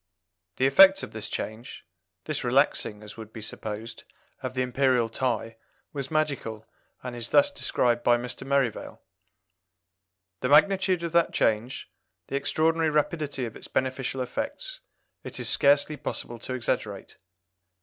The effect of this change, this relaxing, as would be supposed, of the Imperial tie, was magical, and is thus described by Mr. Merivale: "The magnitude of that change the extraordinary rapidity of its beneficial effects it is scarcely possible to exaggerate.